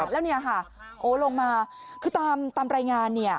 แล้วเนี่ยค่ะโอ้ลงมาคือตามรายงานเนี่ย